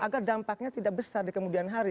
agar dampaknya tidak besar di kemudian hari